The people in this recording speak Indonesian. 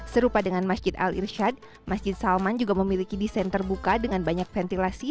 serupa dengan masjid al irshad masjid salman juga memiliki desain terbuka dengan banyak ventilasi